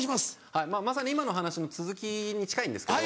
はいまさに今の話の続きに近いんですけど。